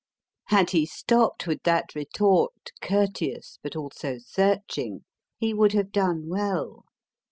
Had he stopped with that retort courteous, but also searching, he would have done well.